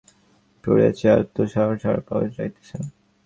যুবরাজের ঘরের ছাদ ভাঙিয়া পড়িয়াছে, আর তো তাঁহার সাড়া পাওয়া যাইতেছে না।